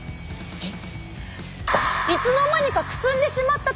えっ？